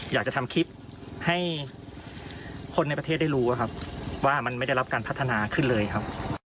อยากจะทำคลิปให้คนในประเทศได้รู้ครับว่ามันไม่ได้รับการพัฒนาขึ้นเลยครับ